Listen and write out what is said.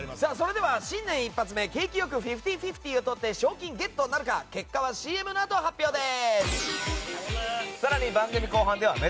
新年一発目景気よく５０：５０をとって賞金ゲットなるか結果はＣＭのあと発表です。